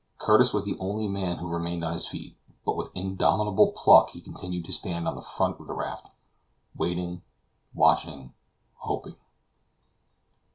Curtis was the only man who remained on his feet, but with indomitable pluck he continued to stand on the front of the raft, waiting, watching, hoping.